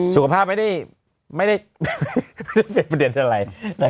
สุขภาพไม่ได้เป็นประเด็นอะไร